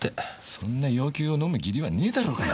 そんな要求を飲む義理はねえだろうがよ。